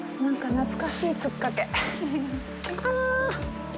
懐かしい突っかけ。